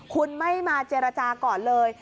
คุณไม่มาเจรจาก่อนเลย